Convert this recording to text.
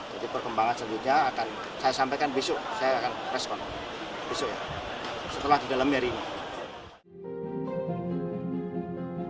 jadi perkembangan selanjutnya akan saya sampaikan besok saya akan respon besok ya setelah di dalam hari ini